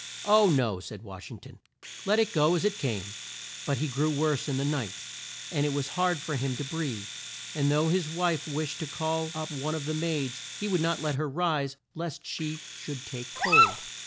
"Oh, no," said Wash ing ton. "Let it go as it came." But he grew worse in the night, and it was hard for him to breathe, and though his wife wished to call up one of the maids he would not let her rise lest she should take cold.